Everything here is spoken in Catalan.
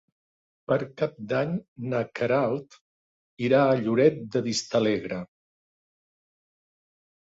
Per Cap d'Any na Queralt irà a Lloret de Vistalegre.